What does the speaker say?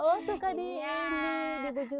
oh suka dihintar